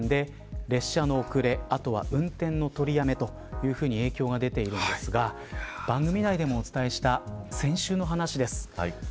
こちらでも一部の区間で列車の遅れ、運転の取りやめというふうに影響が出ているんですが番組内でもお伝えした先週の話です。